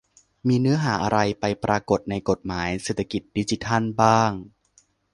มีเนื้อหาอะไรไปปรากฏในกฎหมาย "เศรษฐกิจดิจิทัล" บ้าง ?